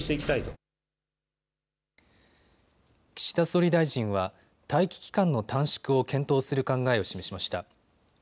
岸田総理大臣は待機期間の短縮を検討する考えを示しました。